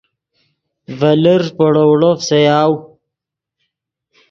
ڤے لرݱ پے ڑوڑو فسایاؤ